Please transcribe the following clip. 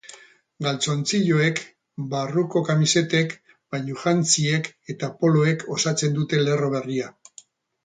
Galtzontziloek, barruko kamisetek, bainujantziek eta poloek osatzen dute lerro berria.